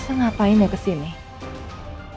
sampai jumpa di video selanjutnya